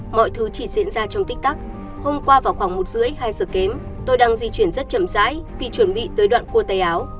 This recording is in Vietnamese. mọi thứ chỉ diễn ra trong tích tắc hôm qua vào khoảng một h ba mươi hai h kém tôi đang di chuyển rất chậm rãi vì chuẩn bị tới đoạn cua tay áo